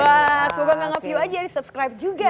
wah semoga gak ngeview aja di subscribe juga